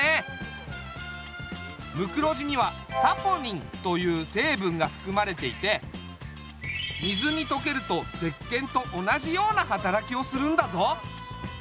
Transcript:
ムクロジにはサポニンというせいぶんがふくまれていて水にとけると石けんと同じような働きをするんだぞ。